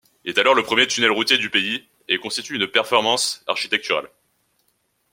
Il est alors le premier tunnel routier du pays et constitue une performance architecturale.